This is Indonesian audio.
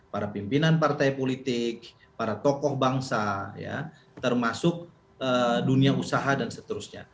para pimpinan partai politik para tokoh bangsa termasuk dunia usaha dan seterusnya